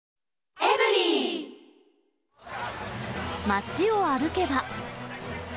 街を歩けば。